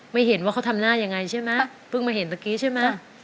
ไม่เห็นว่าเขาทำหน้ายังไงใช่ไหมเพิ่งมาเห็นตะกี้ใช่ไหม